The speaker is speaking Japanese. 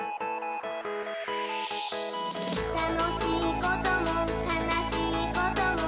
「たのしいこともかなしいことも」